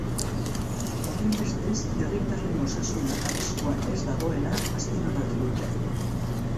Horrenbestez, herritarren osasuna arriskuan ez dagoela azpimarratu dute.